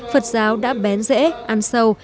phật giáo đã bén rễ ăn sâu